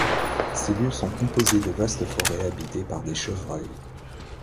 Ces lieux sont composés de vastes forêts habitées par des chevreuils.